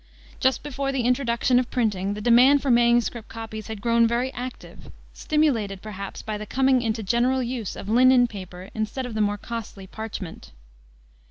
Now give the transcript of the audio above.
Just before the introduction of printing the demand for MS. copies had grown very active, stimulated, perhaps, by the coming into general use of linen paper instead of the more costly parchment.